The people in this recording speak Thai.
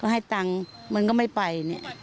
ให้ตังธุ์ก็ไม่ไป